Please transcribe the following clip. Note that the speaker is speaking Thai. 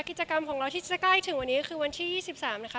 กิจกรรมของเราที่จะใกล้ถึงวันนี้คือวันที่๒๓นะคะ